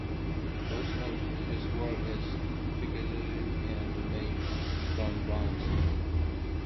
Most of his work is figurative and made from bronze.